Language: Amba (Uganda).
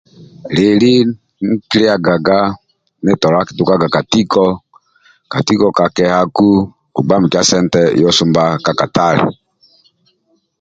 Lieli ndie kikilikagaga ndietolo akitukaga ka tiko ka tiko ka keha ku kugba mikia sente oyo osumba kaka tale